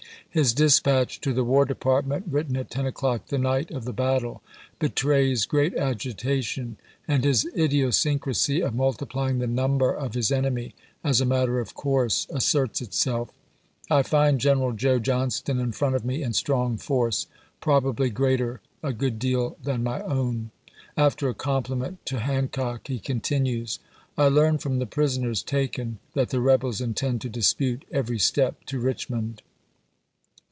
His dispatch to the War Department, written at ten o'clock the night of the battle, betrays great agitation, and his idiosyncrasy of multiplying the number of his enemy, as a matter of coui'se asserts itself. " I find Greneral Joe Johnston in front of me in strong force, prob ably greater a good deal than my own." After a compliment to Hancock he continues, "I learn from the prisoners taken that the rebels intend to dispute every step to Richmond."